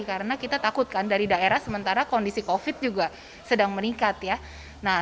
karena kita takutkan dari daerah sementara kondisi kofit juga sedang meningkat ya nah